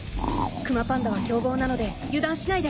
クマパンダは凶暴なので油断しないで。